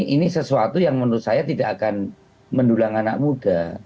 ini sesuatu yang menurut saya tidak akan mendulang anak muda